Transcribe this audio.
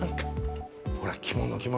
ほら、着物、着物。